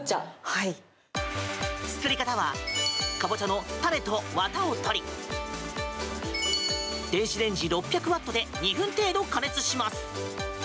作り方はカボチャの種とわたを取り電子レンジ６００ワットで２分程度、加熱します。